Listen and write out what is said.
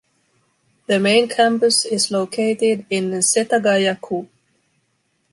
The main campus is located in Setagaya-ku.